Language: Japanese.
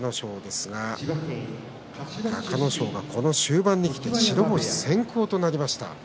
馬と隆の勝ですが隆の勝、この終盤にきて白星先行となりました。